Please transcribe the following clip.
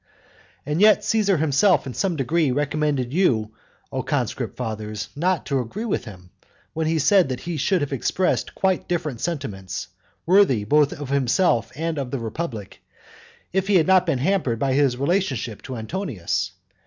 And yet Caesar himself in some degree recommended you, O conscript fathers, not to agree with him, when he said that he should have expressed quite different sentiments, worthy both of himself and of the republic, if he had not been hampered by his relationship to Antonius.